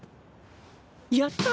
やった！